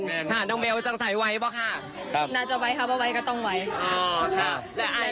แม่นค่ะน้องแมวจังใส่ไว่เปล่าค่ะครับน่าจะไว่ครับว่าไว่ก็ต้องไว่อ๋อค่ะ